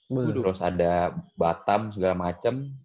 terus ada batam segala macem